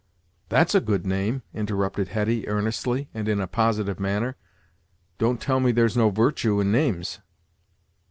"That's a good name," interrupted Hetty, earnestly, and in a positive manner; "don't tell me there's no virtue in names!"